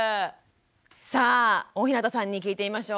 さあ大日向さんに聞いてみましょう。